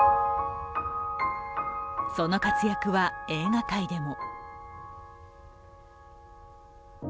その活躍は、映画界でも。